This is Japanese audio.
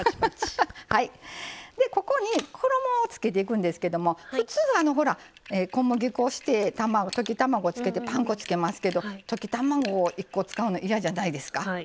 ここに衣をつけていくんですけれども普通、小麦粉して溶き卵してパン粉をつけますけど溶き卵１個、使うの嫌じゃないですか？